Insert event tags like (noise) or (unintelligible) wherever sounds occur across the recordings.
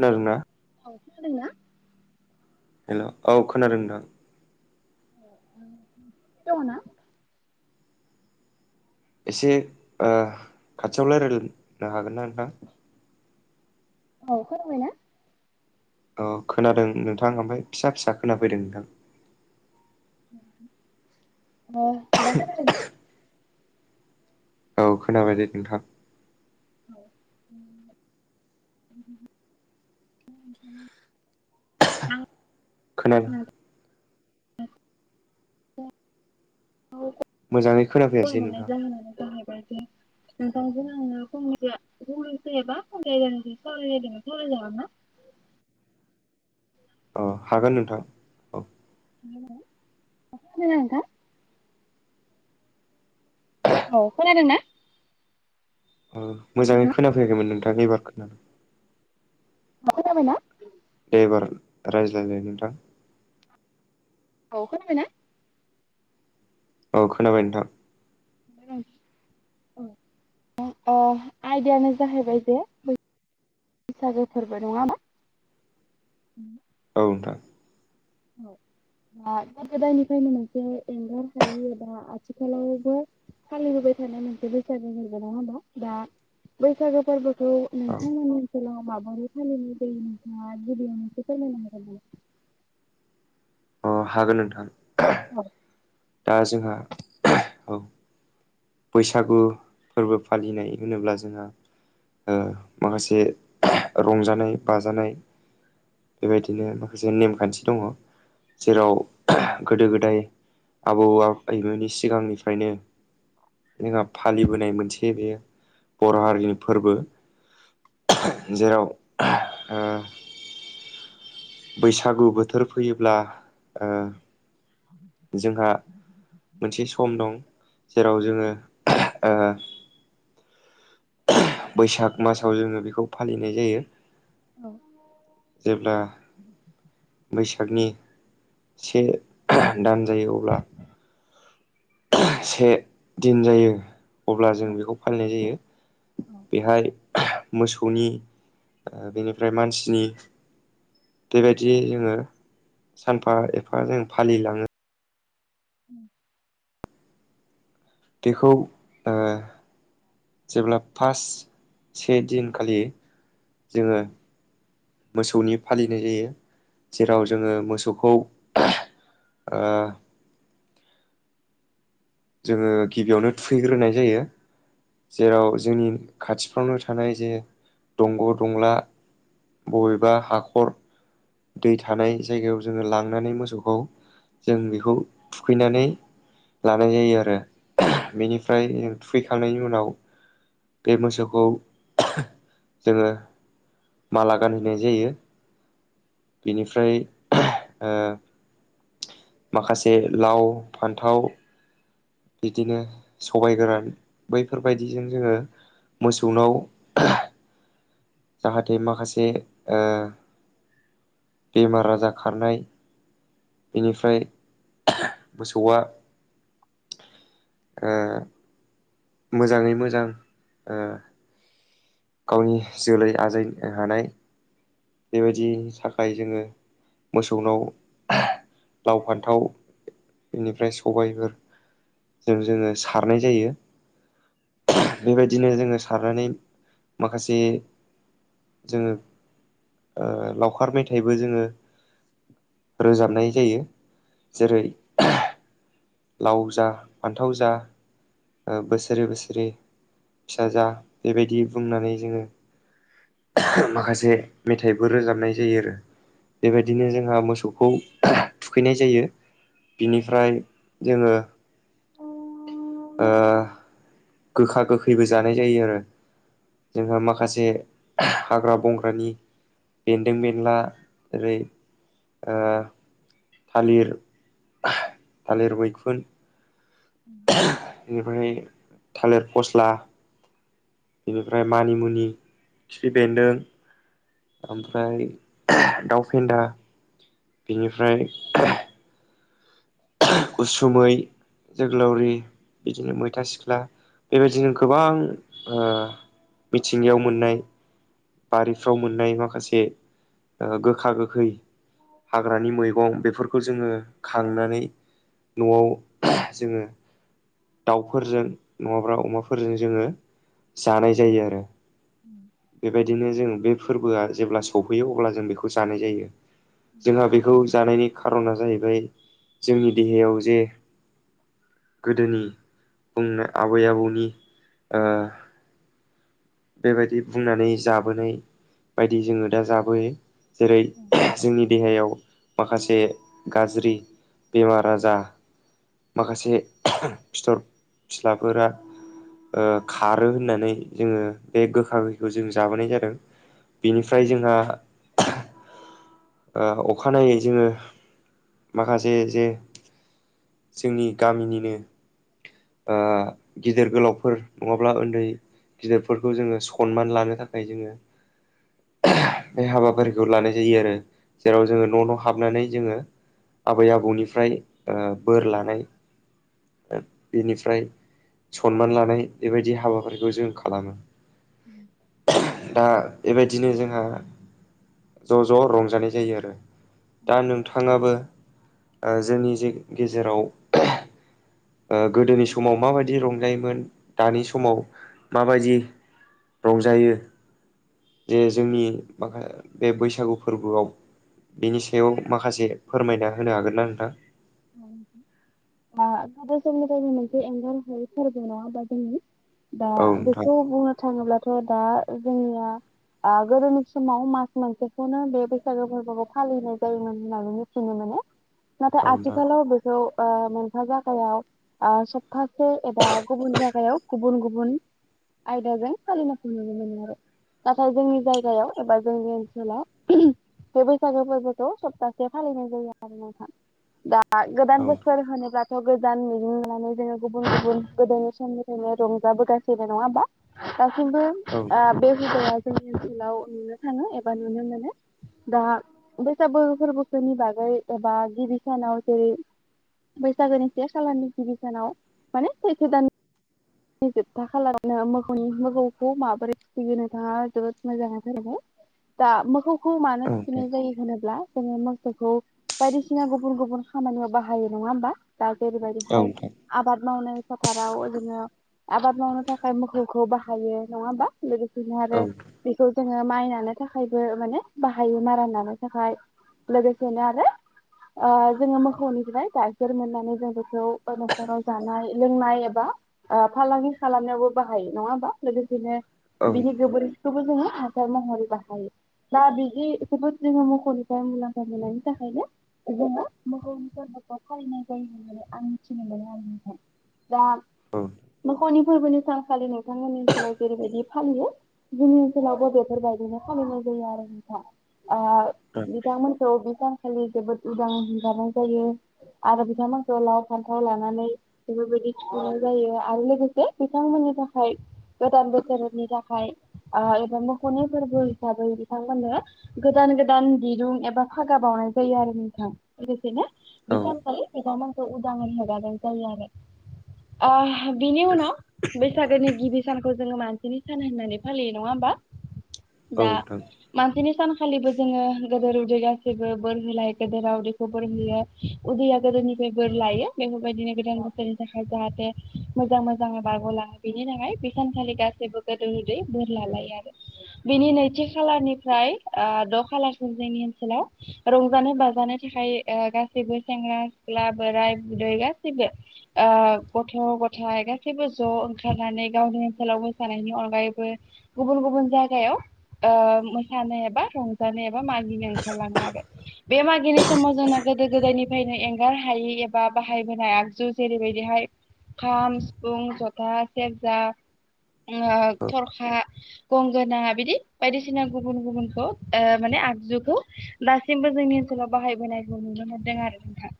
नादोंना? औ खोनादों ना? हेल' औ खोनादों नोंथां। दङ' ना? एसे ओ खाथियाव रायलायलानो हागोन ना नोंथां? औ खोनाबाय ना? औ खोनादों नोंथां। ओमफाय फिसा फिसा खोनाफैदों नोंथां। अ दा खोनाबाय ना? औ खोनाबाय दे नोंथां। औ। आं खोनादो। नोंथांखौ मोजाङै कल खोनाफैयासै हरनाय नोंथां जाहोनानो जाहैबायदि नोंथांजों आङो फंनैसो (unintelligible) अ हागोन नोंथां। औ (unintelligible) नोंथां? औ खोनादों ना? ओ मोजाङै नोंथां खोनाफैयाखैमोन नोंथां एबार खोनादों। दा खोनाबायना? दे एबार रायज्लायलाय नोंथां। औ खोनाबायना? औ खोनाबाय नोंथां। उम औ। अ अ आयदायानो जाहैबाय जे बै सागो फोरबो। नङा होमा? औ नोंथां। औ दा गोदो गोदायनिफ्रायनो मोनसे एंगार हायि एबा आथिखालावबो फालिबोबाय थानाय मोनसे बैसागो फोरबो नङा होमबा? दा बैसागो फोरबो खौ औ नोंथांमोननि ओनसोलाव माबोरै फालिनाय नोंथाङा गिबियावनो एसे फोरमायनो हागोन ना? अ हागोन नोंथां। औ। दा जोंहा औ। बैसागु फोरबो फालिनाय होनोब्ला जोंहा ओ माखासे रंजानाय बाजानाय बेबायदिनो माखासे नेमखान्थि दङ'। जेराव औ गोदो गोदाय आबौ आबैमोननि सिगांनिफायनो जोंहा फालिबोनाय मोनसे बेयो बर' हारिनि फोरबो। जेराव ओ बैसागु बोथोर फैयोब्ला ओ जोंहा मोनसे सम दं जेराव जोङो ओ बैसाग मासाव जोङो बेखौ फालिनाय जायो। जेब्ला बैसागनि से दान जायो अब्ला से दिन जायो अब्ला जों औ बेखौ फालिनाय जायो। बेहाय मोसौनि ओ बेनिफ्राय मानसिनि बेबायदि जोङो सानफा एफा जों फालिलाङो। (inaudible) बेखौ ओ जेब्ला पास से दिन खालि जोङो मोसौनि फालिनाय जायो। जेराव औ जोङो मोसौखौ ओ जोङो गिबियावनो थुखैग्रोनाय जायो। जेराव जोंनि खाथिफ्रावनो थानाय जे दंग' दंला। बबेबा हाखर दै थानाय जायगायाव जोङो लांनानै मोसौखौ जों बेखौ थुखैनानै लांनाय जायो आरो बेनिफ्राय जों थुखैखांनायनि उनाव बे मोसौखौ जोङो माला गानहोनाय जायो बेनिफ्राय ओ माखासे लाव फान्थाव बिदिनो सबाइ गोरान बैफोरबायदिजों जोङो मोसौनाव जाहाथे माखासे ओ बेमार आजार खारनाय बेनिफ्राय मोसौआ ओ मोजाङै मोजां ओ गावनि जोलै आजायनो हानाय बेबायदि थाखाय जोङो मोसौनाव लाव फान्थाव बेनिफ्राय सबायफोर जों जोङो सारनाय जायो बेबायदिनो जोङो सारनानै माखासे जोङो ओ लावखार मेथाइबो जोङो रोजाबनाय जायो जेरै लाव जा फान्थाव जा ओ बोसोरे बोसोरे फिसा जा बेबायदि बुंनानै जोङो माखासे मेथाइबो रोजाबनाय जायो आरो बेबायदिनो जोंहा मोसौखौ थुखैनाय जायो बिनिफ्राय जोङो ओ गोखा गोखैबो जानाय जायो आरो जोंहा माखासे हाग्रा बंग्रानि बेन्दों बेनला ओरै ओ थालिर थालिर मैखुन (inaudible) बेनिफ्राय थालिर फस्ला बेनिफ्राय मानिमुनि खिफि बेन्दों। ओमफ्राय दाउ फेन्दा बेनिफ्राय उसुमै जोगोलावरि बिदिनो मैथा सिख्ला। बेबायदिनो गोबां ओ मिथिंगायाव मोननाय। बारिफ्राव मोननाय माखासे ओ गोखा गोखै। हाग्रानि मैगं बेफोरखौ जोङो खांनानै न'आव जोङो दाउफोरजों नङाब्ला अमाफोरजों जोङो जानाय जायो आरो (inaudible) बेबायदिनो जों बे फोरबोआ जेब्ला सफैयो अब्ला जों बेखौ जानाय जायो। जोंहा बेखौ जानायनि खार'ना जाहैबाय जोंनि देहायाव जे गोदोनि बुंनो आबै आबौनि ओ बेबायदि बुंनानै जाबोनाय बायदि जोङो दा जाबोयो। जेरै औ जोंनि देहायाव माखासे गाज्रि बेमार आजा माखासे (unintelligible) फिथर फिस्लाफोरा ओ खारो होननानै जोङो बे गोखा गोखैखो जों जाबोनाय जादों बेनिफ्राय जोंहा (unintelligible) ओ अखानायै जोङो माखासे जे जोंनि गामिनिनो ओ गिदिर गोलावफोर नङाब्ला ओन्दै फोरखौ जोङो सनमान लानो थाखाय जोङो (unintelligible) बे हाबाफारिखौ लानाय जायो आरो जेराव जोङो न' न' हाबनानै जोङो आबै आबौनिफ्राय ओ बोर लानाय ओ बेनिफ्राय सनमान लानाय बेबायदि हाबाफारिखौ जों खालामो (inaudible) (unintelligible) दा बेबायदिनो जोंहा ज' ज' रंजानाय जायो आरो दा नोंथाङाबो ओ जोंनि जे गेजेराव ओ गोदोनि समाव माबायदि रंजायोमोन दानि समाव माबायदि रंजायो जे जोंनि माखा बे बैसागु फोरबोआव बिनि सायाव माखासे फोरमायना होनो हागोन ना नोंथां? औ आ (unintelligible) मोनसे एंगार हायै फोरबो नङा ओमबा जोंनि दा औ नोंथां बेखौ बुंनो थाङोब्लाथ' दा जोंनिया गोदोनि समाव मास मोनसेखौनो बे बैसागो फोरबोखौ फालिनाय जायोमोन होननानै मिथिनो मोनो (inaudible) नाथाय आथिखालाव बेखौ ओ मोनफा जागायाव आ सप्तासे एबा गुबुन जायगायाव गुबुन गुबुन आयदाजों फालिनायखौ नुनो मोनो आरो नाथाय जोंनि जायगायाव एबा जोंनि ओनसोलाव (unintelligible) बे बैसागोफोरबोखौ सप्तासे फालिनाय जायो आरो नोंथां आ गोदान नोंथां बोसोर होनोब्ला स'गोजान मिजिं लानानै जोङो गुबुन गुबुन गोदोनि समनिफ्रायनो रंजाबोगासिनो नङा होमबा दासिमबो औ ओ बे हुदाया जोंनि ओनसोलाव नुनो थाङो एबा नुनो मोनो दा बैसाबो फोरबोफोरनि बागै एबा गिबि सानाव जेरै बैसागोनि से खालारनि गिबि सानाव माने सैथो दान बे जोबथा खालारावनो मोखौनि मोखौखौ माबोरै फिसियो नोंथाङा जोबोद मोजाङैनो फोरमायबाय दा मोखौखौ मानो औ थुखैनाय नोंथां जायो होनोब्ला जोङो मोसौखौ बायदिसिना गुफ गुबुन गुबुन खामानियाव बाहायो नङा होमबा दा औ जेरैबायदिहाय नोंथां आबाद मावनाय फोथाराव जोङो आबाद मावनो थाखाय मोखौखौ बाहायो नङा होमबा? लोगोसेनो आरो बेखौ जोङो माइ नानो थाखायबो माने बाहायो मारा नानो थाखाय लोगोसेनो आरो ओ जोङो मोखौनिफा्य जाय गाइखेर मोननानै जों बेखौ न'खराव जानाय लोंनाय एबा ओ फालांगि खालामनायावबो बाहायो नङा होमबा लोगोसेनो औ बिनि गोबोर खिखौबो जोङो हासार महरै बाहायो दा बिदिखोबोद जोङो मोखौनिफ्राय मुलाम्फा मोननायनि थाखायनो जोङो मोखौनि फोरबोखौ फालिनाय जायो होननानै आं मिथिनो मोनदों आरो नोंथां दा औ नोंथां औ नोंथां मोखौनि फोरबोनि सानखालि नोंथांमोननि ओनसोलाव जेरैबायदि फालियो जोंनि ओनसोलावबो बेफोरबायदिनो फालिनाय जायो आरो नोंथां ओ बिथांमोनखौ बे सानखालि जोबोद उदांङै हेंगारनाय जायो। आरो बिथांमोनखौ लाव, फान्थाव लानानै बेफोरबायदि थुखैनाय जायो आरो लोगोसे बिथांमोननि थाखाय गोदान बोसोरोनि थाखाय एबा मोखौनि फोरबो हिसाबै बिथांमोननो गोदान गोदान दिरुं एबा फागा बावनाय जायो आरो नों बिदिनो बे औ सानखालि बिथांमोनखौ उदाङै हेगारना होनाय जायो आरो। ओ बिनि उनाव बैसागोनि गिबि सानखौ जोङो मानसिनि सान होननानै फालियो नङा होमबा? दा नोंथां औ मानसिनि सानखालिबो जोङो गोदो उदै गाैबो बोर होलाय गोदेरा उदैखौ बोरहयो उदैया गोदोनिफ्राय बोर लायो बेफोरबायदिनो गोदान थाखाय जाहाथे मोजां मोजाङै बारग'लाङो बेनि थाखाय बे सानखालि गासैबो गेदेर उन्दै बोर लालायो आरो। बिनि नैथि खालारनिफ्राय ओ द' खालारसिम जोंनि ओनसोलाव रंजानो बाज जानो थाखाय गाैबो सेंग्रा सिख्ला बोराय बुरै गासैबो गथ' गथायाइ गासैबो ज' ओंखारनानै गावनि ओनसोलाव मोसानायनि अनगायैबो गुबुन गुबुन जायगायाव ओ मोसानो एबा रंजानो एबा मागिनो ओंखारलाङो आरो बे मा गिनाय समाव जोंना गोदो गोदायनिफ्रायनो एंगार हायि एबा बाहायबोनाय आगजु जेरैबायदिहाय खाम, सिफुं, जथा, सेरजा, ओ थरखा गंग नाङा बिदि बायदिसिना गुबुन गुबुनखौ माने आगजुखौ दासिमबो जोंनि ओनसोलाव बाहायबोनायखौ नुनो मोनदों आरो नोंथा।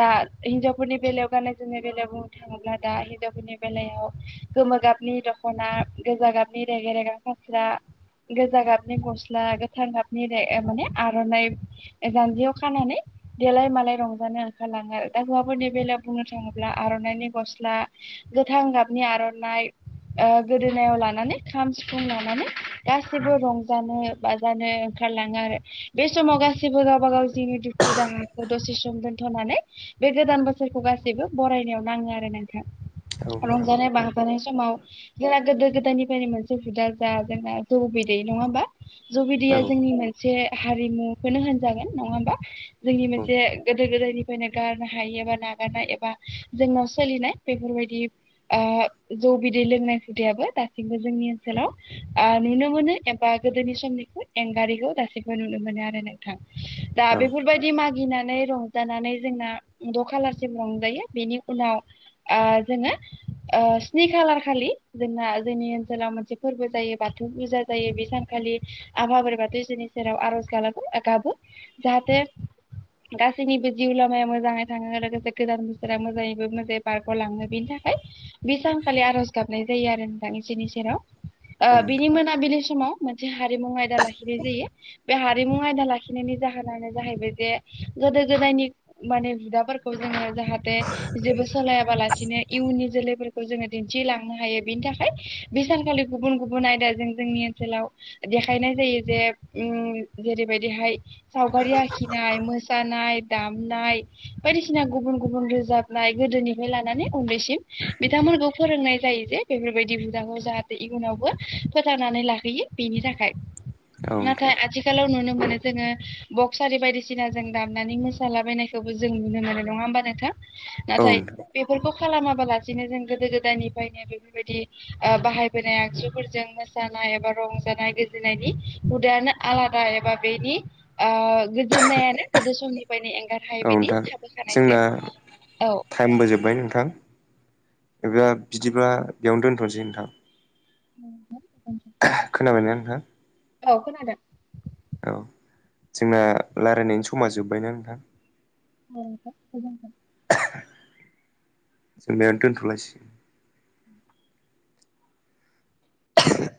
दा हिन्जावफोरनि बेलायाव गाननाय जोमनाय बेलायाव बुंनो थाङोब्ला दा हिनजावफोरनि बेलायाव गोमो गाबनि दख'ना गोजा गाबनि रेगे रेगां फास्रा गोजा गाबनि गस्ला गोथां गाबनि माने आर'नाइ जानजियाव खानानै देलाय मालाय रंजानो ओंखारलाङो दा हुवफोरनि बेलायाव बुंनो थाङोब्ला आर'नाइनि गस्ला गोथां गाबनि आर'नाइ गोदोनायाव लानानै खाम सिफुं लानानै गाैबो रंजानो बाजानो ओंखारलाङो आरो बे समाव गास सिबो गावबा गाव जिउनि दुखु दाहाखौ दसे सम दोन्थ'नानै बे गोदान बोसोरखौ गासैबो बरायनायाव नाङो आरो नोंथां रंजानाय बा जानाय समाव जोंना गोदो गोदायनिफ्रायनो मोनसे हुदा जा जोंना जौ बिदै नङा होमबा? जौ बिदिया जोंनि मोनसे हारिमुखौनो होनजागोन नङा होमबा? जोंनि मोनसे गोदो गोदायनि नो गारनो हायो एबा नागारनाय एबा जोंनाव सोलिनाय बेफोरबायदि जौ बिदै लोंनाय हुदाबो दासिमबो जोंनि ओनसोलाव नुनो मोनो एबा गोदोनि समनिखौ एंगारिखौ दासिबो नुनो मोनो आरो नों थां दा औ बेफोरबायदि मागिनानै रं जानानै जोंना द' खालारसिम रंजायो बेनि उनाव जोङो ओ स्नि खालार खालि जोंना जोंनि ओनसोलाव मोनसे फोरबो जायो बाथौ फुजा जायो बे सानखालि आफा बाथौ बोराइनि सेराव आर'ज खालामो गाबो जाहाथे गासैनिबो जिउ लामाया मोजाङै थाङो लोगोसे गोदान बोसोरा मोजाङैबो मोजां बारग' लाङो बेनि थाखाय बे सानखालि आर'ज गाबनाय जायो आरो नोंथां इसोरनि सेराव। औ नोंथां औ नोंथां ओ बिनि मोनाबिलि समाव मोनसे हारिमु आयदा लाखिनाय जायो बे हारिमु आयदा ला लाखिनायनि जाहोनानो जाहैबाय जे गोदो गोदायनि माने हुदाफोरखौ जोङो जाहाथे जेबो सलायाबा लासिनो इयुननि जोलैफोरखौ जोङो दिन्थिलांनो हायो बिनि थाखाय बे सानखालि गुबुन गुबुन आयदा जों जोंनि ओनसोलाव देखायनाय जायो जे उम जेरैबायदिहाय सावगारि आखिनाय, मोसानाय, दामनाय बायदिसिना गुबुन गुबुन रोजाबनाय गोदोनिफ्राय लानानै उन्दैसिम बिथांमोनखौ फोरोंनाय जायो जे बेफोरबायदि हुदाखौ जाहाथे इयुनावबो फोथांनानै लाखैयो बेनि थाखाय। औ नोंथां नाथाय आथिखालाव नुनो मोनो जोङो बक्स आरि बायदिसिना जों दामनानै मोसालाबायनायखौबो जों नुनो मोनो नङा होमबा नोंथां? औ नाथाय बेफोरखौ खालामाबालासिनो जों गोदो गोदायनिफ्रायनो बेफोरबायदि बाहायबोनाय आगजुफोरजों मोसानाय एबा रंजानाय गोजोननायनि हुदायानो आलादा एबा बेनि ओ गोजोननायानो गोदो समनिफ्रायनो एंगार हायोय बिदि नोंथां थाबोखानायसो जोंना औ टाइमबो जोबबाय नोंथां ए बिदिब्ला बेयावनो दोनथ'सै नोंथां (unintelligible) खोनाबायना नोंथां औ खोनादों औ जोंना रायज्लायनायनि समा जोब्बायना नोंथां औ गोजोनथों (inaudible) (unintelligible) दोनथ'लासि (inaudible)